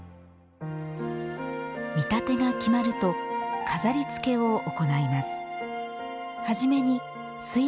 見立てが決まると飾り付けを行います。